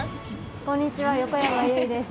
こんにちは横山由依です。